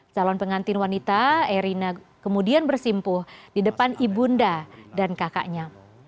calon pengantin wanita erina kemudian bersimpuh di depan ibunda dan kakaknya